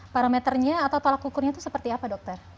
parameternya atau tolak ukurnya itu seperti apa dokter